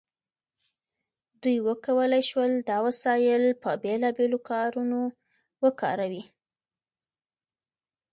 دوی وکولی شول دا وسایل په بیلابیلو کارونو وکاروي.